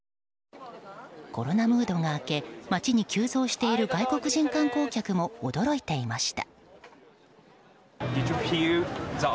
コロナムードが明け街に急増している外国人観光客も驚いていました。